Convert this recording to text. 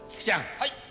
はい。